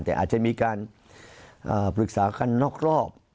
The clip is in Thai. แต่อาจจะมีการปรึกษากันนอกรอบ